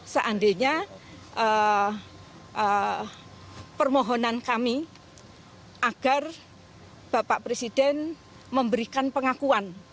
seandainya permohonan kami agar bapak presiden memberikan pengakuan